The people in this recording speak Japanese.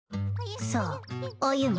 そう。